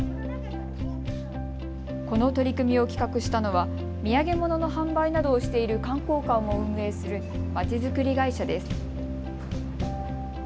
この取り組みを企画したのは土産物の販売などをしている観光館を運営するまちづくり会社です。